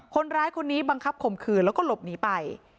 คนร้ายคนนี้บังคับข่มขืนแล้วก็หลบหนีไป